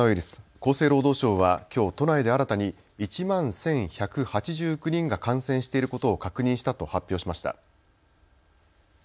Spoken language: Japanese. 厚生労働省はきょう都内で新たに１万１１８９人が感染していることを確認したと発表しました。